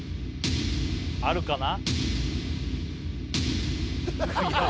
⁉あるかな？